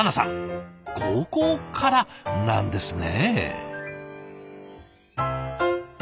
高校からなんですね。